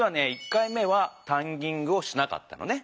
１回目は「タンギング」をしなかったのね。